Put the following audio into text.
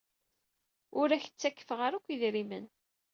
Ur ak-ttakfeɣ ara akk idrimen.